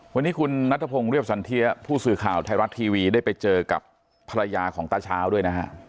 วันนี้คุณนัทพงศ์เรียบสันเทียผู้สื่อข่าวไทยรัฐทีวีได้ไปเจอกับภรรยาของตาเช้าด้วยนะฮะ